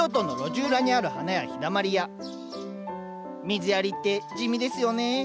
水やりって地味ですよね。